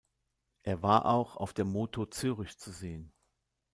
Er war auch auf der "Moto Zürich" zu sehen.